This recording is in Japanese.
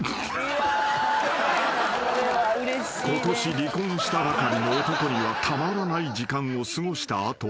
［ことし離婚したばかりの男にはたまらない時間を過ごした後］